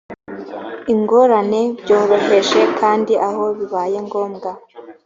ingorane byoroheje kandi aho bibaye ngombwa